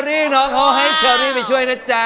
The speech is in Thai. อ่าพี่เชอรี่น้องเค้าให้เชอรี่ไปช่วยนะจ๊ะ